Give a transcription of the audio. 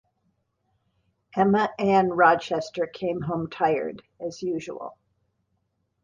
Emma Ann Rochester came home tired, as usual